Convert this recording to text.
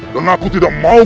dan aku tidak mau